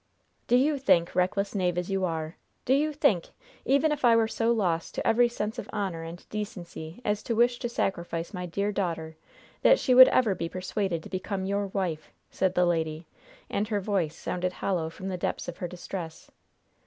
"Do you think, reckless knave as you are! do you think, even if I were so lost to every sense of honor and decency as to wish to sacrifice my dear daughter, that she would ever be persuaded to become your wife?" said the lady, and her voice sounded hollow from the depths of her distress.